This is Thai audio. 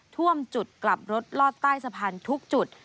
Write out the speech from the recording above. ท่วมจุดกลับรถลอดใต้สะพานทุกจุด